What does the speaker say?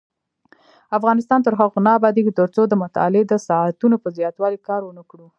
افغانستان تر هغو نه ابادیږي، ترڅو د مطالعې د ساعتونو په زیاتوالي کار ونکړو.